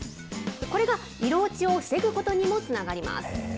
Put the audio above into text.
これが色落ちを防ぐことにもつながります。